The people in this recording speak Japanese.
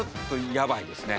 やばいんですね。